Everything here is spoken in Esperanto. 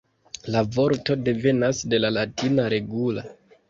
La vorto devenas de la latina "regula".